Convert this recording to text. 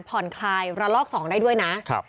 ผ่อนคลายระลอก๒ได้ด้วยนะ